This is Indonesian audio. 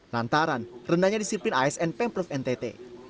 lantaran rendahnya disiplin asn pemprov ntt